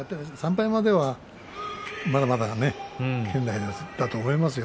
３敗まではまだまだね圏内だと思いますよ。